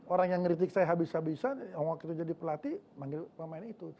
orang yang ngeritik saya habis habisan yang waktu itu jadi pelatih manggil pemain itu